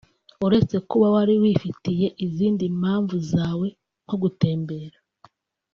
“Uretse kuba wari wifitiye izindi mpamvu zawe (nko gutembera